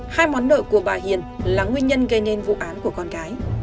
hai món nợ của bà hiền là nguyên nhân gây nên vụ án của con gái